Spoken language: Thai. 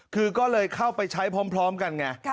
คือก็เลยเข้าไปใช้พร้อมกันไง